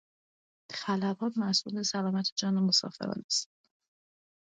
خلبان مسئول سلامت جان مسافران است.